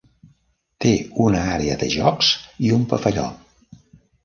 Té una àrea de jocs i un pavelló.